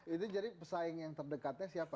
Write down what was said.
itu jadi pesaing yang terdekatnya siapa